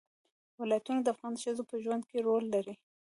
ولایتونه د افغان ښځو په ژوند کې رول لري.